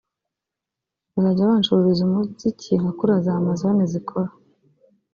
bazajya bancururiza umuziki nka kuriya za Amazon zikora